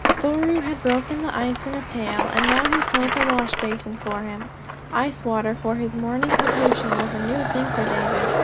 Thoreau had broken the ice in a pail and now he filled the wash basin for him. Ice water for his morning ablution was a new thing for David.